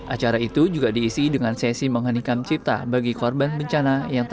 acara itu juga diisi dengan sesi mengenikan cipta bagi korban